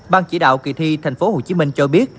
ban chỉ đạo kỳ thi tp hcm cho biết